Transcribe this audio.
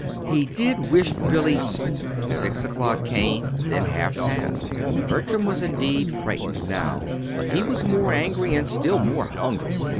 He did wish Billy Six o'clock came, then half past. Bertram was indeed frightened now, but he was more angry, and still more hungry.